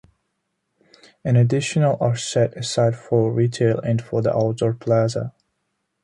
An additional are set aside for retail and for the outdoor plaza.